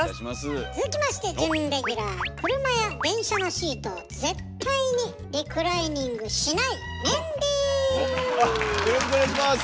続きまして車や電車のシートを絶対にリクライニングしないよろしくお願いします！